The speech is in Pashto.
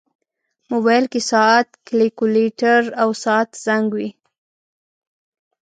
موبایل کې ساعت، کیلکولیټر، او ساعت زنګ وي.